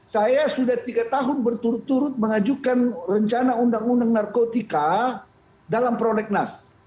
saya sudah tiga tahun berturut turut mengajukan rencana undang undang narkotika dalam prolegnas